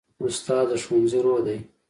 استاد د ښوونځي روح دی.